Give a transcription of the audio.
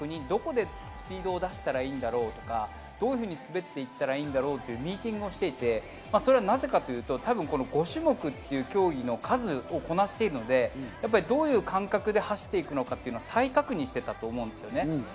どこでスピードを出したらいいんだろうとか、どういうふうに滑っていいんだろうというミーティングをしていて、なぜかというと５種目という競技の数をこなしているので、どういう感覚で走っているのか再確認していたと思うんですね。